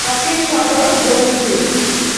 ব্লকের সদর ডোমজুড়।